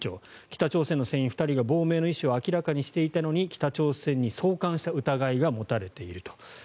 北朝鮮の船員２人が亡命の意思を明らかにしていたのに北朝鮮に送還した疑いが持たれていると。